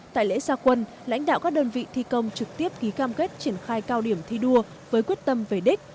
tại lễ gia quân lãnh đạo các đơn vị thi công trực tiếp ký cam kết triển khai cao điểm thi đua với quyết tâm về đích